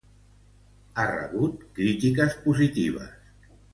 Ha rebut crítiques positives.